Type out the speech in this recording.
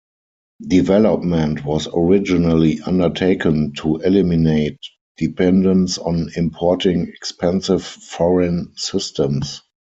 Development was originally undertaken to eliminate dependence on importing expensive foreign systems.